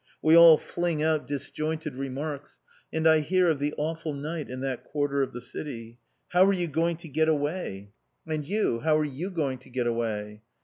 We all fling out disjointed remarks, and I hear of the awful night in that quarter of the city. "How are you going to get away?" "And you, how are you going to get away?"